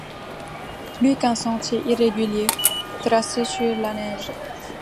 plus qu’un sentier irrégulier tracé sur la neige.